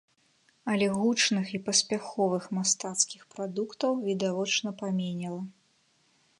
Але гучных і паспяховых мастацкіх прадуктаў відавочна паменела.